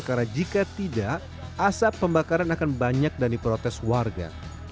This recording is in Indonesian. karena jika tidak asap pembakaran akan banyak dan diprotes warga